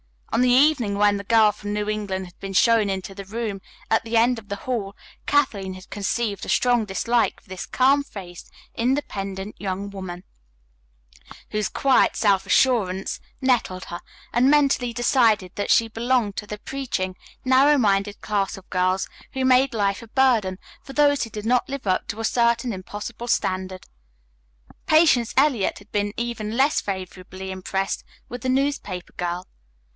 On the evening when the girl from New England had been shown into the room at the end of the hall, Kathleen had conceived a strong dislike for this calm faced, independent young woman, whose quiet self assurance nettled her, and mentally decided that she belonged to the preaching, narrow minded class of girls who made life a burden for those who did not live up to a certain impossible standard. Patience Eliot had been even less favorably impressed with the newspaper girl.